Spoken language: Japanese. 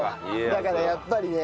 だからやっぱりね。